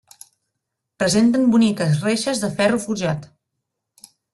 Presenten boniques reixes de ferro forjat.